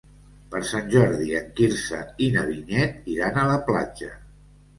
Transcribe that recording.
Per Sant Jordi en Quirze i na Vinyet iran a la platja.